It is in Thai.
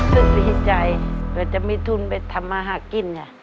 สุดสีใจเราจะมีทุนไปทำมาหากินค่ะ